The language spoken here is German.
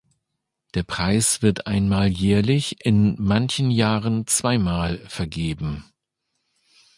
Der Preis wird einmal jährlich, in manchen Jahren zweimal, vergeben.